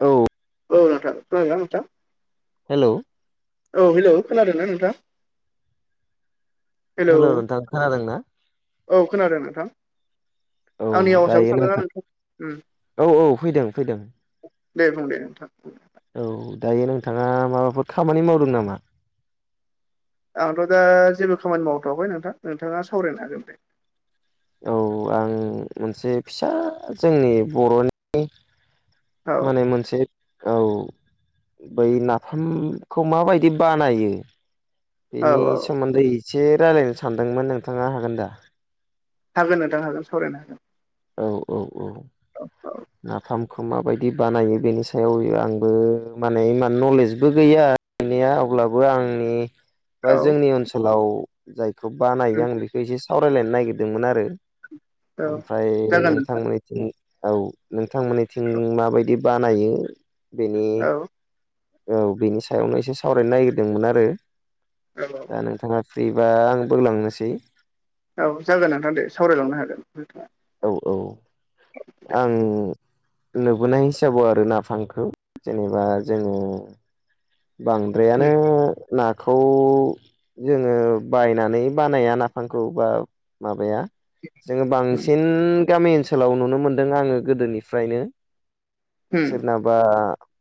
औ औ नोंथां खोनादों ना नोंथां हेलौ औ हेल' खोनादों ना नोंथां हेलौ नोंथां खोनादों ना? औ खोनादों नोंथां औ आंनि आवासाबो दायो थांदोना नोंथां औ औ फैदों फैदों दे बुं दे नोंथां औ दायो नोंथाङा माबाफोर खामानि मावदों नामा आंथ' दा जेबो खामानि मावथ'वाखै नोंथां नोंथाङा सावरायनो हागोन दे औ आं मोनसे फिसा जोंनि बर'नि औ माने मोनसे औ बै नाफामखौ माबायदि बानायो औ बेनि औ सोमोन्दै एसे रायज्लायनो सानदोंमोन नोंथाङा हागोन दा हागोन नोंथां हागोन सावरायनो हागोन औ औ औ नाफाम खौ माबायदि बानायो बेनि सायाव आंबो माने इमान नलेजबो गैया मोननाया अब्लाबो आंनि औ बा जोंनि ओनसोलाव जायखौ उम बानायो आं बेखौ एसे सावरायलायनो नायगिरदोंमोन आरो औ ओमफ्राय जागोन नोंथां नोंथांमोननिथिं औ नोंथांमोननिथिं माबायदि बानायो बेनि औ औ बिनि सायावनो एसे सावरायनो नागिरदोंमोन आरो औ दा नोंथाङा फ्रिबा आं बुंलांनोसै औ जागोन नोंथां दे सावरायलांनो हागोन नोंथाङा औ औ आं नुबोनाय हिसाबाव आरोना नाफामखौ जेनेबा जों बांद्रायानो नाखौ जोङो बायनानै बानाया नाफामखौ बा माबाया जोङो उम बांसिन गामि ओनसोलाव नुनो मोनदों आङो गोदोनिफ्रायनो उम सोरनाबा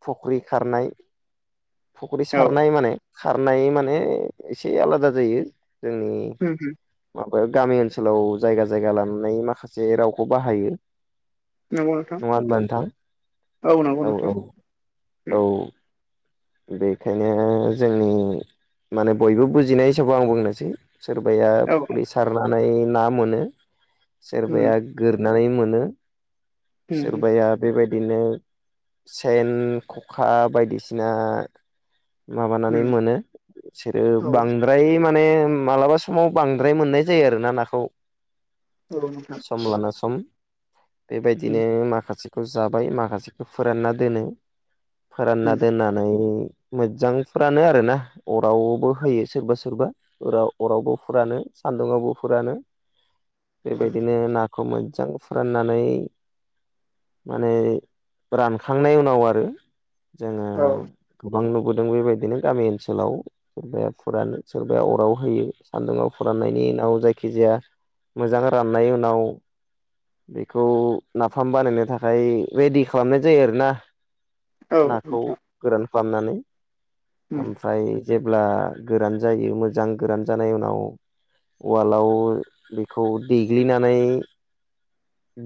फख्रि खारनाय फुख्रि औ सारनाय माने खारनाय माने एसे आलादा जायो जोंनि [unintelligible] माबायाव गामि ओनसोलाव जायगा जायगा लानानै माखासे रावखौ बाहायो नंगौ नोंथां नङा होनबा नोंथां नंगौ औ नोंथां औ उम औ बेखायनो जोंनि माने बयबो बुजिनाय हिसाबै आं बुंनोसै सोरबाया औ फुख्रि सारनानै ना मोनो उम सोरबाया गोरनानै मोनो उम सोरबाया बेबायदिनो सेन खखा बायदिसिना माबानानै उम मोनो बिसोरो औ बांद्रा फ्राय माने मालाबा समाव बांद्राय मोननाय जायो आरोना नाखौ औ नोंथां सम लाना सम उम बेबायदिनो माखासेखौ जाबाय माखासेखौ फोरानना दोनो फोरान उम दोननानै मोजां फोरानो आरानो अरावबो होयो सोरबा सोरबा अरावबो फुरानो सान्दुङावबो फुरानो उम बेबायदिनो ना खौ मोजां फोराननानै माने रानखांनायनि उनाव आरो जोङो औ गोबां नुबोदों बेबायदिनो गामि ओनसोलाव सोरबाया फुरानो सोरबाया अराव होयो सान्दुङाव फुराननायनि उनाव जायखिजाया मोजां राननायनि उनाव बेखौ नाफाम बानायनो थाखाय रेडि खालामनाय जायो आरोना औ नाखौ नोंथां गोरान खालामनानै ओमफ्राय जेब्ला गोरान जायो मोजां गोरान जानाय उनाव उवालाव बेखौ देग्लिनानै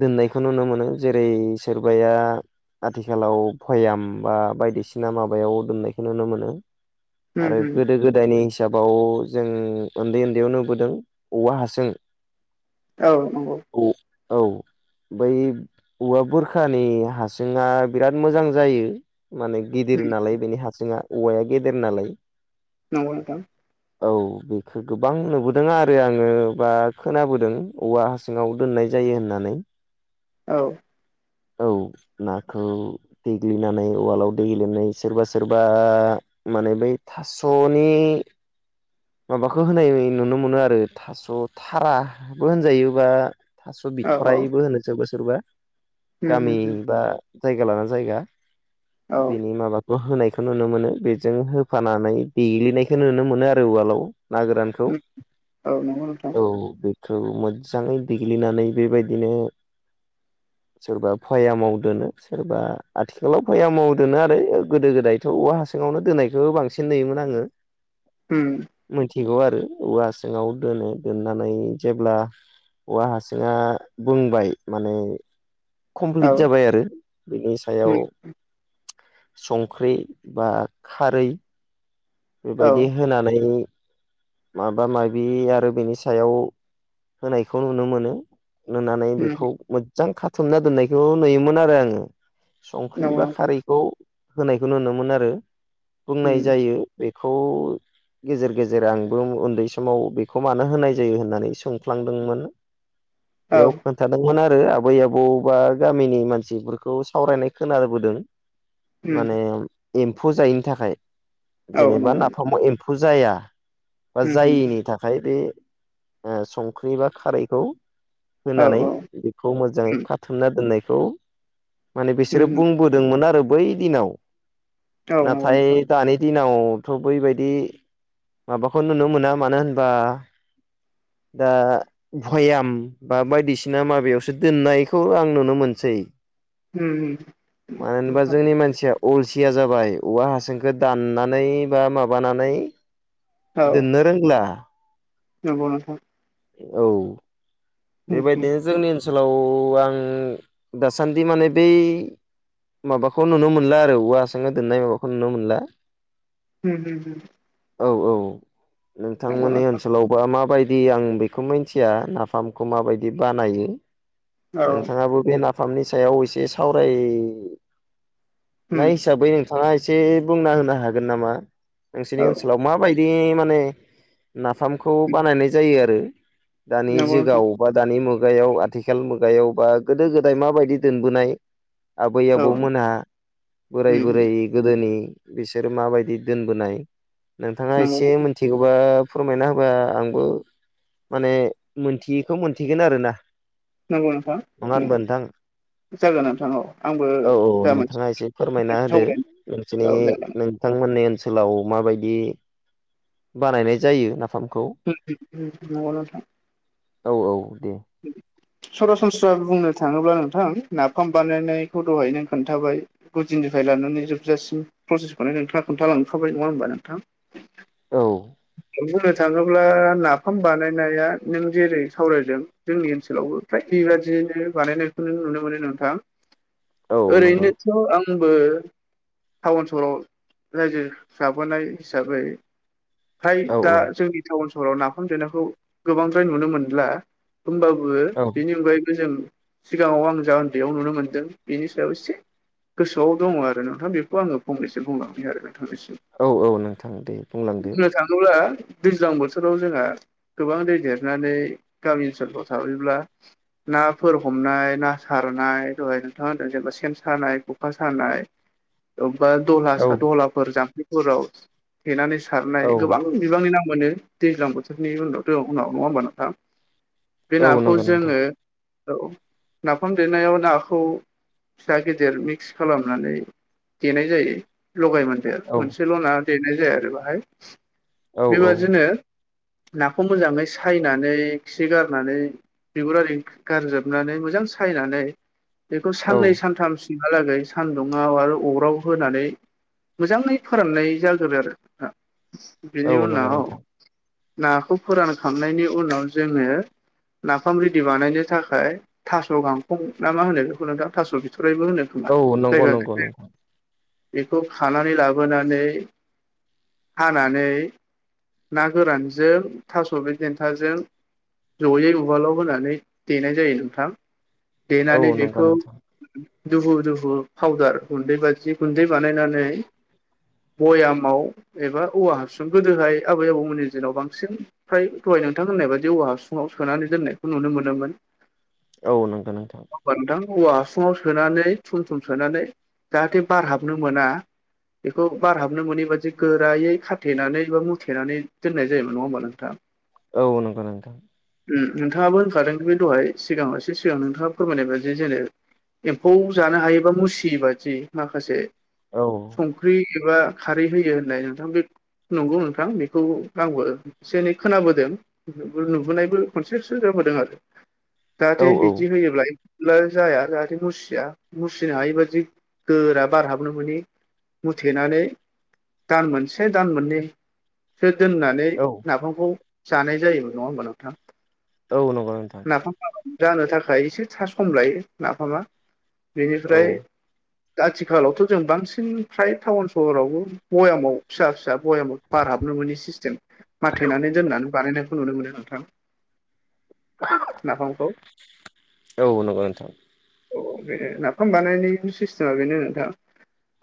दोननायखौ नुनो मोनो जेरै सोरबाया आथिखालाव भयाम बा बायदिसिना माबायाव दोननायखौ नुनो मोनो उम आरो उम गोदो गोदायनि हिसाबाव जों उन्दै उन्दैयाव नुबोदों औवा हासुं औ नंगौ औ औ औवा बुरखानि हासुङा बिराद मोजां जायो माने उम गिदिर नालाय बेनि हासुङा औवाया गेदेर नालाय नंगौ नोंथां औ बेखो गोबां नुबोदों आरो आङो बा खोनाबोदों औवा हासुङाव दोननाय जायो होननानै औ औ नाखौ देग्लिनानै उवालाव देग्लिनानै सोरबा सोरबा माने बै थासनि माबाखौ होनाय नुनो मोनो आरो थास थाराबो होनजायो बा थास' औ औ बिथररायबो होनो जोबो सोरबा उम उम गामि बा जायगा लाना जायगा औ बिनि माबा होनायखौ नुनो मोनो बेजों होफानानै देग्लिनायखौ नुनो मोनो आरो उवालाव ना गोरान उम नंगौ नोंथां औ बेखौ मोजाङै देग्लिनानै बेबायदिनो [inaudible] सोरबा भया मावदोनो सोरबा आथिखालाव भया मावदोनो आरो गोदो गोदाय थ' औव हासङावनो दोननायखौबो बांसिन नुयोमोन आङो हम मिथिगौ आरो औवा सिङाव दोनो दोननानै जेब्ला औवा हारसिङा बुंबाय माने औ कमप्लिट जाबाय आरो बिनि उम सायाव संख्रि बा खारै औ बेबायदि होनानै माबा माबि आरो बेनि सायाव होनायखौ नुनो मोनो नुनानै उम बेखौ मोजां खाथुमना दोननायखौ नुयोमोन आरो आङो संख्रि नंगौ बा नोंथां खारैखौ होनायखौ नुनो मोन आरो बुंनाय उम जायो बेखौ गेजेर गेजेर आंबो उन्दै समाव बेखौ मानो होनाय जायो होननानै सोंफ्लांदोंमोन औ बे उम खथादोंमोन आरो आबै आबौ बा गामिनि मानसिफोरखौ सावरायनाय खोनाबोदों माने एम्फौ जायिनि थाखाय औ जेनेबा नंगौ नाफामाव एम्फौ जाया बा उम उम जायिनि थाखाय खाय बे संख्रि बा खारैखौ औ होनानै बेखौ मोजाङै खाथुमना दोननायखौ माने बिसोरो बुंबोदोंमोन आरो बै दिनाव औ उम औ नंगौ नाथाय नोंथां दानि दिनावथ' बैबायदि माबाखौ नुनो मोना मानो होनबा दा भयाम बा बायदिसिना माबायावसो दोननायखौ आं नुनो मोनसै उम उम मानो होनबा नोंथां जोंनि मानसिया अलसिया जाबाय औवा हासंखौ दाननानै बा माबानानै औ जोबनो रोंला नंगौ नोंथां औ उम उम बेबायदिनो जोंनि ओनसोल ओनसोलाव आं दासान्दि माने बै माबाखौ नुनो मोनला आरो औवा हासङाव दोननाय माबाखौ नुनो मोनला [inaudible] औ औ नंगौ नोंथांमोननि नोंथां ओनसोलावबा माबायदि आं मिथिया नाफामखौ माबायदि बानाय औ नोंथाङाबो बे न नि सायाव एसे सावरायनाय उम हिसाबै नोंथां नोंथाङा एसे बुंना होनो हागोन नामा नोंसोरनि औ ओनसोलाव माबायदि माने नाफामखौ उम बानायनाय जायो आरो दानि नंगौ नोंथां जुगाव बा दानि मुगायाव आथिखाल मुगायाव बा गोदो गोदाय माबायदि दोनबोनाय आबै औ आबौमोनहा बोराय उम उम बोरै गोदोनि बिसोर माबायदि दोनबोनाय नोंथाङा नंगौ एसे खौबा फोरमायना होबा आंबो माने मोनथियैखौ मोनथिगोन आरोना नंगौ नोंथां नङा होनबा नोंथां जागोन नोंथां औ आंबो औ औ जा नोंथाङा मोनसे एसे फोरमायना होदो सावरायनो नोंसोरनि औ जागोन बिथांमोननि ओनसोलाव माबायदि बानायनाय जायो नाफामखौ [unintelligible] औ औ दे दे सरासनस्रा बुंनो थाङोब्ला नोंथां नाफाम बानायनायखौ दहाय नों खोन्थाबाय गुदिननिफ्राय लानानै जोबजासिम प्रसेसखौनो नोंथाङा खोन्थालांखाबाय नङा होनोमबा नोंथां औ बुंनो थाङोब्ला नाफाम बानायनाया नों जेरै सावरायदों जोंनि ओनसोलावबो फ्राय बेबादियैनो बानायनायखौनो नुनो मोनो नोंथां औ नंगौ ओरैनोथ' आंबो टाउन सहराव रायजो जाबोनाय हिसाबै फ्राय औ दा औ जोंनि टाउन सहराव नाफाम जेंाखौ गोबांद्राय नुनो मोनला होमबाबो औ बिनि अनगायैबो जों सिगाङाव आं जा उन्दैयाव नुनो मोनदों बेनि सायाव एसे गोसोआव दङ आरो नोंथां बेखौ आङो फंनैसो बुंलांै आरो नोंथांनिसिम औ औ नोंथां दे बुं बुंलांदो बुंनो थाङोब्ला दैज्लां बोथोराव जोंहा गोबां दै देरनानै गामि ओनसोलफ्राव थाबैब्ला नाफोर हमनाय ना सारनाय दहाय नोंथांादों जेनेबा सेन सानाय खखा सानाय बा द औ दहलाफोर जामफलिफोराव थेनानै सारनाय औ गोबां बिबांनि नाम मोनो दैज्लां बोथोरनि उनावथं उनाव नङा होमबा नोंथां बे औ नाखौ नंगौ नोंथां जोङो नाफाम देनायाव नाखौ फिसा गिदिर मिक्स खालामनानै देनाय जायो लगाय औ मोनसे लना देनाय जाया आरो बेाहाय औ औ बेबादिनो नाखौ मोजाङै सायनानै खि गारनानै बिगुरि गारजोबनानै मोजां सायनानै बेखौ औ साननै सानथाम सिहालागै सान्दुङआव आरो अराव होनानै मोजाङै फोराननाय जाग्रो आरो औ बिनि नंगौ उनाव औ नोंथां नाखौ फोरानखनायनि उनाव जोङो नाफाम रेदिि बानायनो थाखाय थास' गांखं ना मा होनो बेखौ नोंथां थास' बिथ'रैबो होनो खोमा औ नंगौ जायग नंगौ नोंथां बेखौ खानानै लाबोनानै हानानै ना गोरानजों थास'बि देन्थाजों जयै उवालाव होनानै देनाय जायो नोंथां औ देनानै नंगौ बेखौ नोंथां दुहु दुहु फावदार गुन्दै बादि गुन्दै बानायनानै भयामाव एबा औवा हाबसुं गोदोहाय आबै आबौमोननि दिनाव बांसिन फ्राय दहाय नोंथां होननाय बा जेव हासुङाव सोनानै दोननायखौ नुनो मोनोमोन औ नंगौ नोंथां बा नोंथां औवा हासुङाव सोनानै थुम थुम सोनानै जाहाथे बार हाबनो मोना बेखौ बार हाबनो मोनैबादि गोरायै खाथेनानै बा मुथेनानै दोननाय जायोमोन नङा होमबा नोंथां औ नंगौ नोंथां नोंथाङाबोओंखारादों बे दहाय सिगाङावसो सिगांाव नोंथाङा फोरमायनाय बायदि जेने एम्फौ जानो हायोबा मुसियै बादि माखासे औ संख्रि एबा खारै होयो होननाय नोंथां बे नंगौ नोंथां बेखौ आंबो एसे एनै खोनाबोदों बे नुबोनायबो खनसेसो जाबोदों आरो जाहाथे औ बिदि होयोब्ला जाया जाहाथे मुसिया मुसिनो हायिबादि गोरा बारहाबनो मोनै मुथेनानै दान मोनसे दान मोननैसो दोननानै औ नाफामखौ जानाय जायोबो नङा होमबा नोंथां औ नंगौ नोंथां नाफाम जानो थाखाय एसे था सम लायो नाफामा बेनिफ्राय औ आथिखालावथ जों बांसिन फ्राय टाउन सहरावबो भयामाव फिसा फिसा भयामाव बार हाबनो मोनि सिस्टेम माथेनानै दोननानै बानायनाय खौ नुनो मोनो नोंथां नाफामखौ औ नंगौ नोंथां अ बे नाफाम बानायनि सिस्टेमा बेनो नोंथां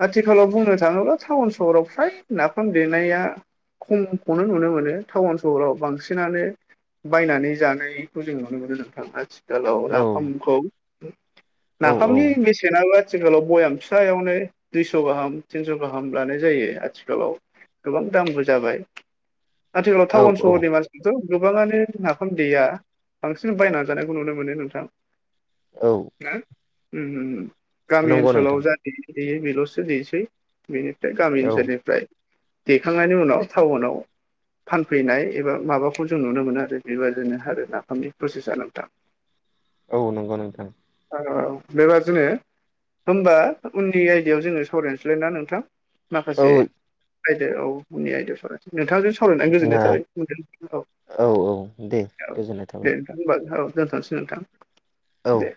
आथिखालाव बुंनो थाङोब्ला टाउन सहराव फ्राय नाफाम देनाया खमखौनो नुनो मोनो टाउन सहराव बांसिनानो बायनानै जानायखौ जों नुनो मोनदों नोंथां आथि औ नाफामखौ औ औ नाफामनि बेसेनाबा आथिखालाव बयाम फिसायावनो दुइस गाहाम थिनस गाहाम लानाय आथिखालाव गोबां दामबो जाबाय आथिखालाव औ टाउन औ सहरनि मानसिया थ गोबाङानो नाफाम दैया बांसिन बायनानै जानायखौ नुनो मोनो नोंथां औ उम उम उम गामि नंगौ नोंथां ओनसोलाव जा देयो बेलसो दनोसै बेनि गामि औ ओनसोलनिफ्राय दैेखांनायनि उनाव टाउनाव फानफैनाय एबा माबाखौ जों नुनो मोनो आरो बेबायदिनो आरो नाफामनि प्रसेसा नोंथां [inaudible] औ नंगौ नोंथां औ औ बेबादिनो होमबा उननि आयदायाव जोङो सावरायनोसैलाय ना नोंथां औ माखासे आयदा औ उननि आयदायाव नोंथांजों सावरायनानै गोजोननाय जोंहा थाबाय नोंथां औ औ दे औ गोजोननाय दे थाबाय होमबा औ दोनथसै नोंथां औ दे